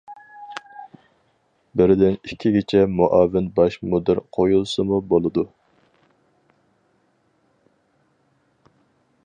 بىردىن ئىككىگىچە مۇئاۋىن باش مۇدىر قويۇلسىمۇ بولىدۇ.